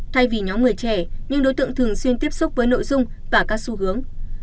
thay vì nhóm người trẻ những đối tượng thường xuyên tiếp xúc với nội dung và các xu hướng